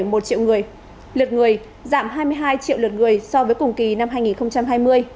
lượt người giảm hai mươi hai triệu lượt người so với cùng kỳ năm hai nghìn hai mươi